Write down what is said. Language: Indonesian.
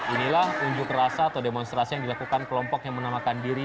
inilah unjuk rasa atau demonstrasi yang dilakukan kelompok yang menamakan diri